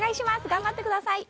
頑張ってください！